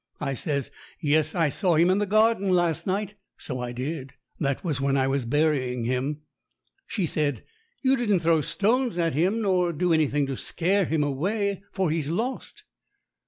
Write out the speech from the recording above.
I says, "Yes, I saw him in the garden last night." So I did. That was when I was burying him. She said, "You didn't throw stones at him, nor do anything to scare him away, for he's lost?"